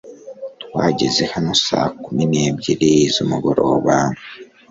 twageze hano saa kumi n'ebyiri z'umugoroba